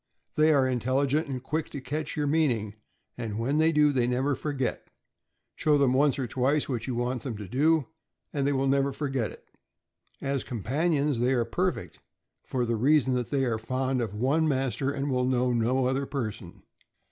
They are intelligent and quick to catch your meaning, and when they do, they never forget; show them once or twice what you want them to do, and they will never forget it. As companions they are perfect, for the reason that they are fond of one master and will know no other per son.